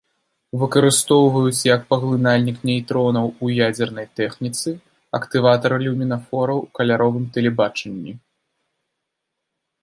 Выкарыстоўваюць як паглынальнік нейтронаў у ядзернай тэхніцы, актыватар люмінафораў у каляровым тэлебачанні.